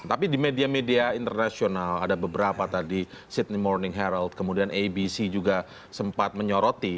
tapi di media media internasional ada beberapa tadi sydney morning herod kemudian abc juga sempat menyoroti